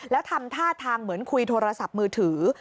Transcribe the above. แล้วทำท่าทางเหมือนคุยโทรศัพท์มือถือ